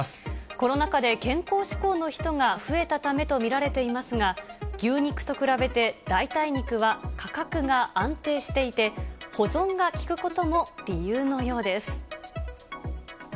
コロナ禍で健康志向の人が増えたためと見られていますが、牛肉と比べて代替肉は価格が安定していて、保存が利くことも理由のようです。